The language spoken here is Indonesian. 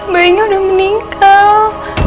bayinya udah meninggal